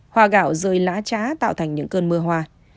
hoa gạo rơi lá trá tạo thành những cơn mưa hoa